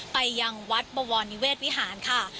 ไปยังวัดบวรนิเวศวิหารค่ะ